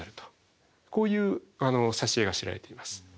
こういう挿絵が知られています。